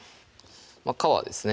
皮ですね